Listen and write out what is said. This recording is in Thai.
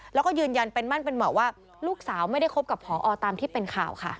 แล้วก็ยืนยันเป็นมั่นเป็นเหมาะว่าลูกสาวไม่ได้คบกับพอตามที่เป็นข่าวค่ะ